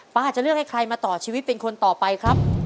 จะเลือกให้ใครมาต่อชีวิตเป็นคนต่อไปครับ